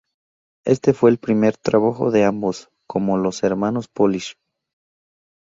Este fue el primer trabajo de ambos como "los hermanos Polish".